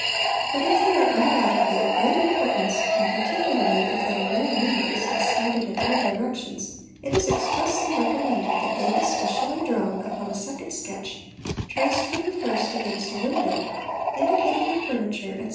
But if they are undoubtedly of great importance and particularly if they are very numerous and scattered in all directions, it is expressly recom mended that they be specially drawn upon a second sketch, traced from the first against a window, indicating the furniture, etc.